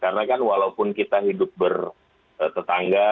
karena walaupun kita hidup bertetangga